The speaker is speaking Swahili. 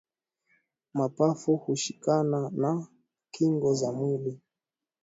Mapafu hushikana na kingo za mwili